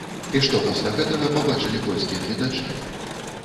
І што пасля гэтага пабачылі польскія гледачы?